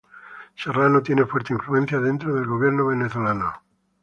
Serrano tiene fuerte influencia dentro del gobierno venezolano.